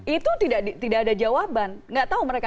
itu tidak ada jawaban nggak tahu mereka